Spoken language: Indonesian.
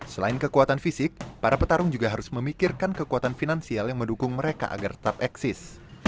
selain kekuatan fisik para petarung juga harus memikirkan kekuatan finansial yang mendukung mereka agar tetap eksis